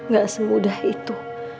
gak semudah itu